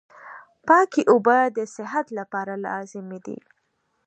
پاکي اوبه د صحت لپاره لازمي دي.